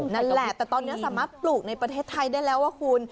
นั่นแหละแต่ตอนนี้สามารถปลูกในประเทศไทยได้แล้วว่าคุณ